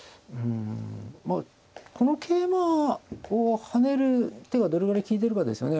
まあこの桂馬を跳ねる手がどれぐらい利いてるかですよね。